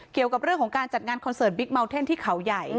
เกี่ยวกับเรื่องของการจัดงานคอนเสิร์ตบิ๊กเมาเท่นที่เขาใหญ่